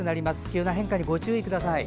急な変化にご注意ください。